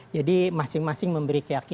jadi masing masing memberi keyakinan